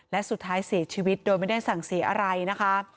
และสุดท้ายเสียชีวิตโดยไม่ได้สั่งเสียอะไรนะคะ